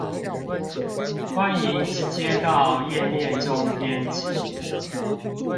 歡迎直接到頁面中編輯